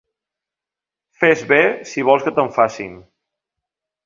Fes bé si vols que te'n facin.